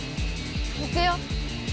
いくよ。